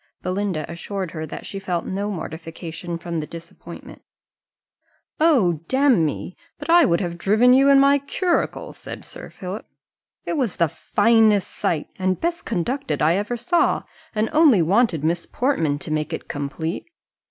Belinda assured her that she felt no mortification from the disappointment. "O, damme! but I would have driven you in my curricle," said Sir Philip: "it was the finest sight and best conducted I ever saw, and only wanted Miss Portman to make it complete.